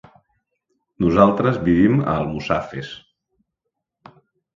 Nosaltres vivim a Almussafes.